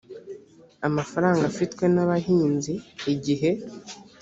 amafaranga afitwe n abahinzi igihe